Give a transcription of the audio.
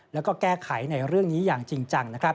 แล้วก็แก้ไขในเรื่องนี้อย่างจริงจังนะครับ